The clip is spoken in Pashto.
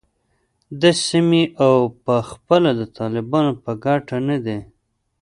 د سیمې او هم پخپله د طالبانو په ګټه نه دی